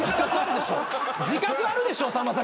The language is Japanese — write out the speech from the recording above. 自覚あるでしょさんまさん